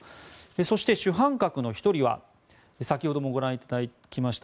そして、主犯格の１人は先ほどもご覧いただきました